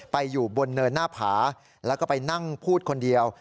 ไปอยู่บนเนินหน้าผาแล้วก็ไปนั่งพูดคนเดียว